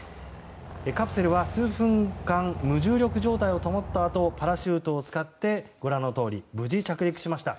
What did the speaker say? カプセルは数分間無重力状態を保ったあとパラシュートを使ってご覧のとおり無事着陸しました。